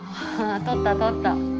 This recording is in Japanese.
ああ撮った撮った。